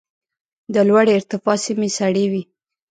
د لوړې ارتفاع سیمې سړې وي.